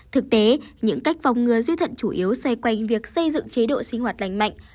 thực tế những cách phòng ngừa suy thận chủ yếu xoay quanh việc xây dựng chế độ sinh hoạt lành mạnh